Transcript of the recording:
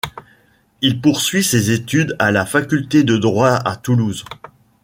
Il poursuit ses études à la faculté de Droit à Toulouse.